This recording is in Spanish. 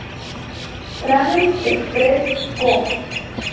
Travelers Express Co.